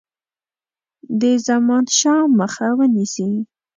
د زمانشاه مخه ونیسي.